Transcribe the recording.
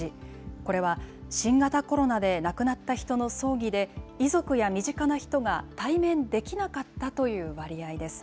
これは、新型コロナで亡くなった人の葬儀で、遺族や身近な人が対面できなかったという割合です。